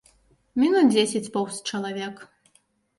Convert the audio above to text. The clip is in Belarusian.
Мінут дзесяць поўз чалавек.